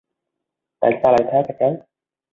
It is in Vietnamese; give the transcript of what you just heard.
tại sao lại thế cơ chứ